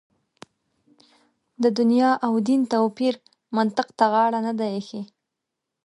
د دنیا او دین توپیر منطق ته غاړه نه ده اېښې.